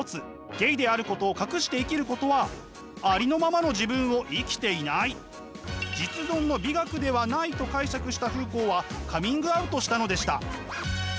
ゲイであることを隠して生きることはありのままの自分を生きていない実存の美学ではないと解釈したフーコーはカミングアウトしたのでした。